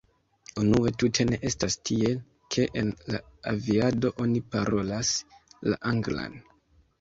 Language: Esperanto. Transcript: Unue tute ne estas tiel, ke en la aviado oni parolas la anglan.